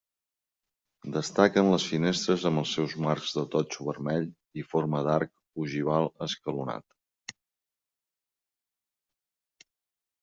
Destaquen les finestres amb els seus marcs de totxo vermell i forma d'arc ogival escalonat.